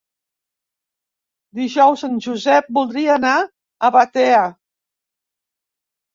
Dijous en Josep voldria anar a Batea.